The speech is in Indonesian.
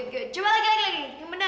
gimana lancar ngajarnya